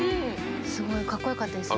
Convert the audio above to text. すごいカッコよかったですね。